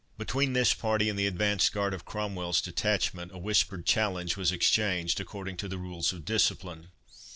Between this party and the advanced guard of Cromwell's detachment, a whispered challenge was exchanged, according to the rules of discipline.